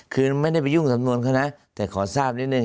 คือไม่ได้ไปยุ่งสำนวนเขานะแต่ขอทราบนิดนึ